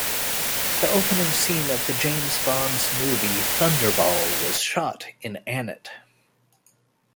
The opening scene of the James Bond's movie "Thunderball" was shot in Anet.